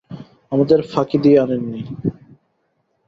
আমাদের ফাঁকি দিয়ে আনেন নি।